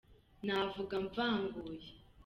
Navuga mvanguye